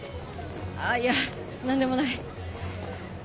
あいや何でもない。